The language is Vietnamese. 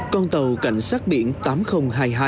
con tàu cảnh sát biển tám nghìn hai mươi hai